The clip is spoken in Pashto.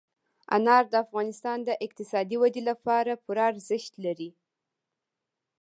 انار د افغانستان د اقتصادي ودې لپاره پوره ارزښت لري.